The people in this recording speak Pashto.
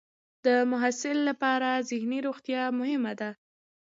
د محصل لپاره ذهني روغتیا مهمه ده.